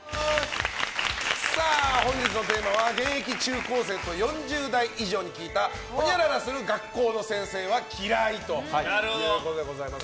本日のテーマは現役中高生と４０代以上に聞いたほにゃららする学校の先生は嫌い！ということでございます。